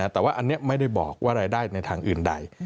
แต่ว่าอันนี้ไม่ได้บอกว่ารายได้ในทางอื่นใด